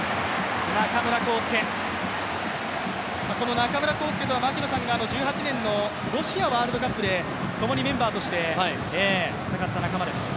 中村航輔とは槙野さんが１８年のロシアワールドカップで共にメンバーとして戦った仲間です。